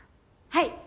はい！